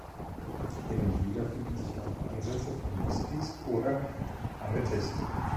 Hin und wieder finden sich auch Ansätze von Jaspis oder Amethyst.